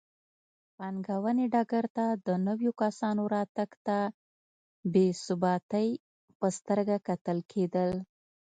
پانګونې ډګر ته د نویو کسانو راتګ ته بې ثباتۍ په سترګه کتل کېدل.